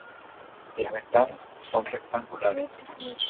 Las ventanas son rectangulares.